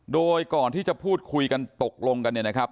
โดยก่อนที่จะพูดคุยกันตกลงกันเนี่ยนะครับ